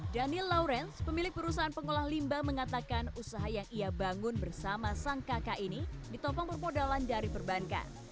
daniel lawrence pemilik perusahaan pengolah limba mengatakan usaha yang ia bangun bersama sang kakak ini ditopang permodalan dari perbankan